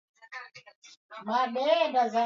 Mnyama anapokufa kwa ugonjwa wa majimoyo huvimba bandama